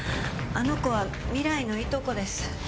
あの子は未来のいとこです。